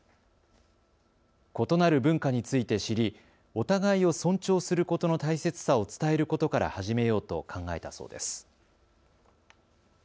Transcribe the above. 異なる文化について知り、お互いを尊重することの大切さを伝えることから始めようと考えたそうです。